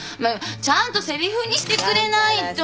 ちゃんとせりふにしてくれないと。